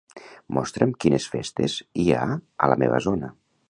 Mostra'm quines festes hi ha a la meva zona.